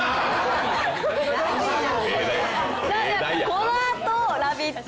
このあと「ラヴィット！」